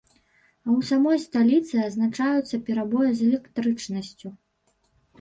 А ў самой сталіцы адзначаюцца перабоі з электрычнасцю.